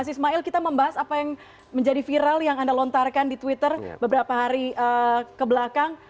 ismail kita membahas apa yang menjadi viral yang anda lontarkan di twitter beberapa hari kebelakang